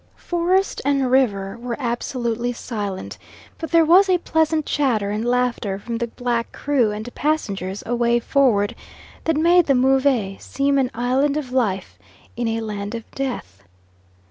Forest and river were absolutely silent, but there was a pleasant chatter and laughter from the black crew and passengers away forward, that made the Move seem an island of life in a land of death.